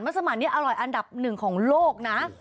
สมัยนี้อร่อยอันดับหนึ่งของโลกนะ